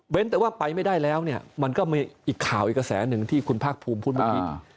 แต่ว่าไปไม่ได้แล้วเนี่ยมันก็มีอีกข่าวอีกกระแสหนึ่งที่คุณภาคภูมิพูดเมื่อกี้